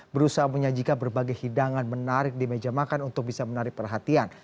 berusaha menyajikan berbagai hidangan menarik di meja makan untuk bisa menarik perhatian